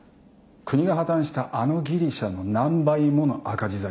国が破綻したあのギリシャの何倍もの赤字財政。